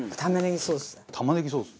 玉ねぎソース。